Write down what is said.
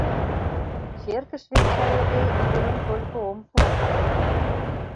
— Черкыш венчайыде ӱдырым только ом пу, — мане.